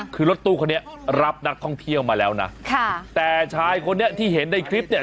คือรถตู้คนนี้รับนักท่องเที่ยวมาแล้วนะค่ะแต่ชายคนนี้ที่เห็นในคลิปเนี่ย